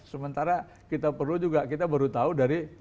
sementara kita perlu juga kita baru tahu dari